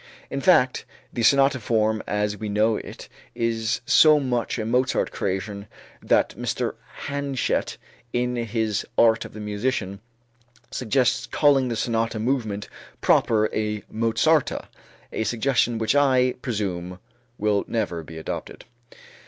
In fact the sonata form as we know it is so much a Mozart creation that Mr. Hanchett, in his "Art of the Musician," suggests calling the sonata movement proper a mozarta a suggestion which I presume will never be adopted.